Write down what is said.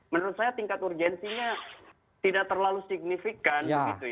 menurut saya tingkat urgensinya tidak terlalu signifikan